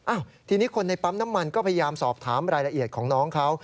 ทีนี้คนในปั๊มน้ำมันก็พยายามสอบถามรายละเอียดของน้องเขา